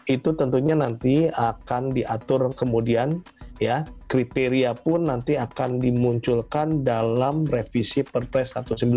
itu tentunya nanti akan diatur kemudian ya kriteria pun nanti akan dimunculkan dalam revisi perpres